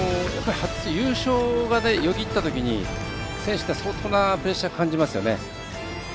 優勝がよぎったときに選手って、相当なプレッシャーを感じますよね。